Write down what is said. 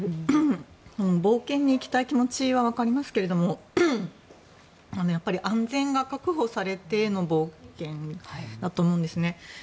冒険に行きたい気持ちはわかりますけれどもやっぱり安全が確保されての冒険だと思うんですね。